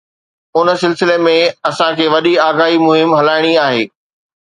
ان سلسلي ۾ اسان کي وڏي آگاهي مهم هلائڻي آهي.